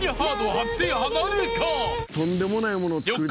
初制覇なるか。